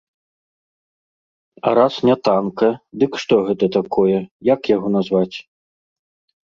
А раз не танка, дык што гэта такое, як яго назваць?